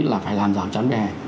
là phải làm rào chắn vỉa hè